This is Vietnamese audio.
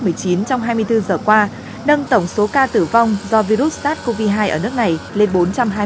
trong hai mươi bốn giờ qua nâng tổng số ca tử vong do virus sars cov hai ở nước này lên bốn trăm hai mươi bốn ca